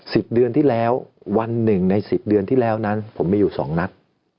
เดือนที่แล้ววันหนึ่งในสิบเดือนที่แล้วนั้นผมมีอยู่สองนัด